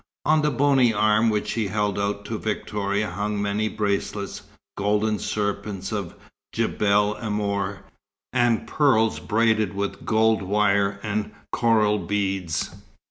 On the bony arm which she held out to Victoria hung many bracelets, golden serpents of Djebbel Amour, and pearls braided with gold wire and coral beads.